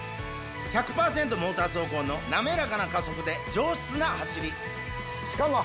モーター走行の滑らかな加速で上質な走りしかも。